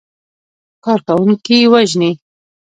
کارکوونکي وژني.